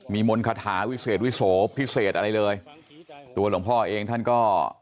มีมนต์คาถาวิเศษวิโสพิเศษอะไรเลยตัวหลวงพ่อเองท่านก็